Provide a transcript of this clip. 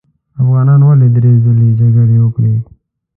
افغانانو ولې درې ځلې جګړې وکړې.